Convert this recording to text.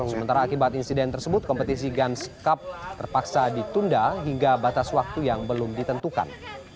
sementara akibat insiden tersebut kompetisi guns cup terpaksa ditunda hingga batas waktu yang belum ditentukan